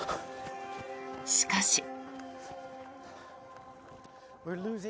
しかし。